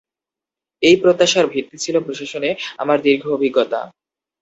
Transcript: এই প্রত্যাশার ভিত্তি ছিল প্রশাসনে আমার দীর্ঘ অভিজ্ঞতা।